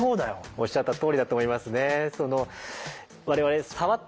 おっしゃったとおりだと思いますね。